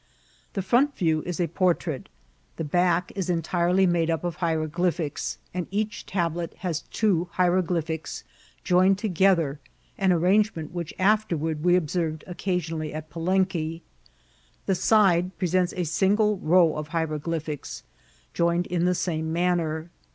The front view is a portrait. The back is entirely made up of hieroglyphics, and each tablet has two hieroglyphics joined together, an arrangement whidi afterward we observed occasionally at Palenque. The side presents a single row of hieroglyphics, joined in the same manner.